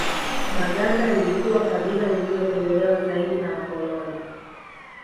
Baganda lilikuwa kabila lililopendelewa zaidi na Wakoloni